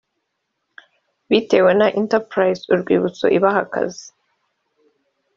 bitewe na entrepise Urwibutso ibaha akazi